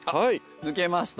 抜けましたね。